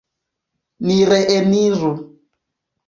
Ni reeniru.